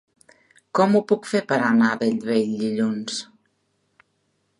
Com ho puc fer per anar a Bellvei dilluns?